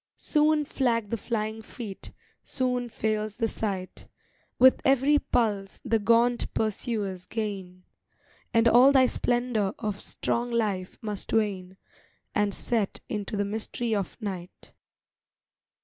Soon flag the flying feet, soon fails the sight, With every pulse the gaunt pursuers gain; And all thy splendor of strong life must wane And set into the mystery of night.